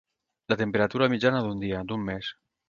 La temperatura mitjana d'un dia, d'un mes.